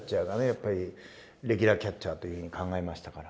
やっぱりレギュラーキャッチャーという風に考えましたから。